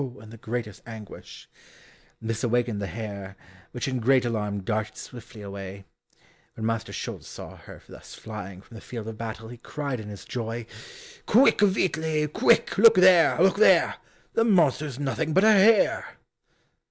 in the greatest anguish. This awakened the hare, which in great alarm darted swiftly away. When Master Schulz saw her thus flying from the field of battle, he cried in his joy. "Quick, Veitli, quick, look there, look there, The monster's nothing but a hare!"